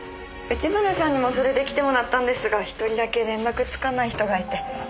内村さんにもそれで来てもらったんですが１人だけ連絡つかない人がいて。